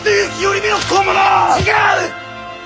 違う！